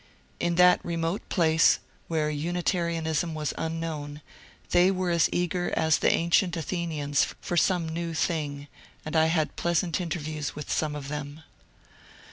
In that remote place, where Unitarianism was unknown, they were as eager as the ancient Athenians for some new thing, and I had pleasant interviews with some of them.